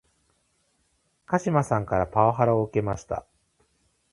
鹿島さんからパワハラを受けました